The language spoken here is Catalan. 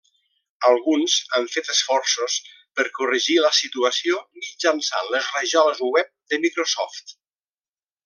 Alguns han fet esforços per corregir la situació mitjançant les rajoles web de Microsoft.